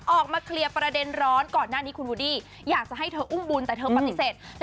ออกมาเคลียร์ประเด็นร้อนก่อนหน้านี้คุณวูดดี้อยากจะให้เธออุ้มบุญแต่เธอปฏิเสธ